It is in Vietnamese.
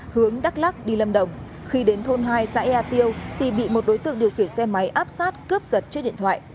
hướng đắk lắc đi lâm đồng khi đến thôn hai xã ea tiêu thì bị một đối tượng điều khiển xe máy áp sát cướp giật trên điện thoại